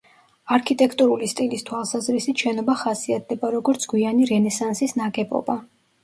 არქიტექტურული სტილის თვალსაზრისით შენობა ხასიათდება როგორც გვიანი რენესანსის ნაგებობა.